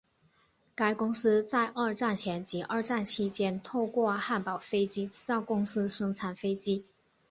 该公司在二战前及二战期间透过汉堡飞机制造公司生产飞机。